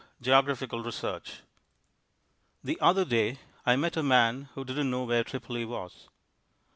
Geographical Research The other day I met a man who didn't know where Tripoli was.